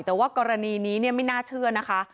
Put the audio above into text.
แต่ว่ากรณีนี้ไม่น่าเชื่อนะคะ